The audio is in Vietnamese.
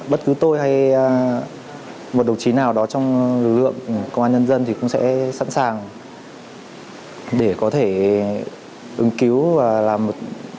bất cứ tôi hay một đồng chí nào đó trong lực lượng công an nhân dân thì cũng sẽ sẵn sàng để có thể ứng cứu và làm